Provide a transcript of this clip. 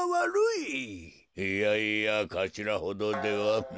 いやいやかしらほどでは。